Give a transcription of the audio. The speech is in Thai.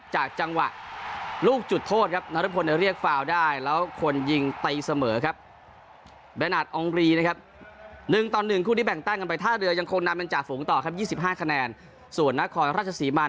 นามันจากฝูงต่อครับยี่สิบห้าคะแนนส่วนนาคอร์รัสชาษิมาศ